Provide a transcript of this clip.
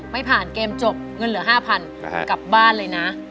ไม่ผ่านเกมจบเงินเหลือ๕๐๐๐กลับบ้านเลยนะ